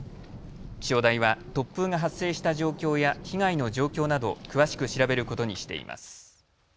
気象台は突風が発生した状況や被害の状況など詳しく調べることにしています。